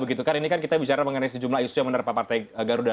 begitu kan ini kan kita bicara mengenai sejumlah isu yang menerpa partai garuda